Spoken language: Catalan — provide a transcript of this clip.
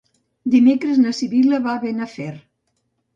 Dimecres na Sibil·la va a Benafer.